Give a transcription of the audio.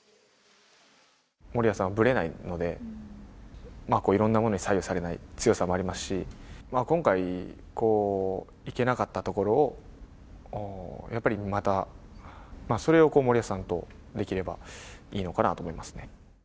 森保さんはぶれないので、いろんなものに左右されない強さもありますし、今回、いけなかったところを、やっぱりまた、それを森保さんとできればいいのかなと思いますね。